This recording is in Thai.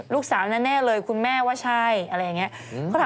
แน่เลยคุณแม่ว่าใช่อะไรอย่างนี้